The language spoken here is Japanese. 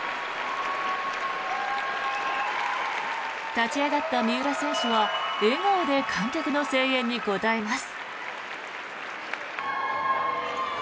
立ち上がった三浦選手は笑顔で観客の声援に応えます。